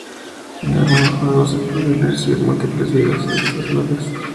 En algunos juegos, es posible recibir múltiples vidas extra a la vez.